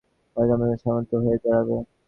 ঐ তমোগুণটাই সত্ত্বগুণ হয়ে দাঁড়াবে।